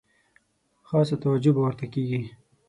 خاصه توجه به ورته کیږي.